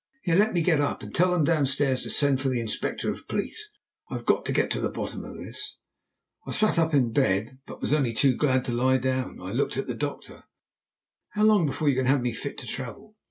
Here, let me get up! And tell them downstairs to send for the Inspector of Police. I have got to get to the bottom of this." I sat up in bed, but was only too glad to lie down. I looked at the doctor. "How long before you can have me fit to travel?"